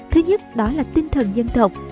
thứ nhất đó là tinh thần dân thộc